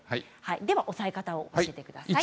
では押さえ方を教えてください。